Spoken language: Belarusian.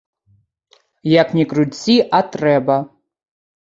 Як ні круці, а трэба.